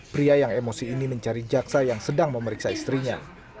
pria yang emosi ini mencari jaksa yang sedang memeriksa istrinya